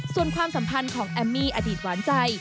ส่วนความสัมพันธ์ของแอมมี่อดีตหวานใจ